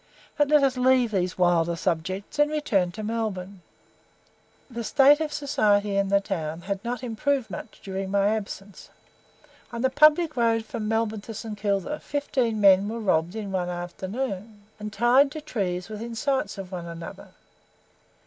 But let us leave these wilder subjects and return to Melbourne. The state of society in the town had not much improved during my absence. On the public road from Melbourne to St. Kilda, fifteen men were robbed in one afternoon, and tied to trees within sight of one another.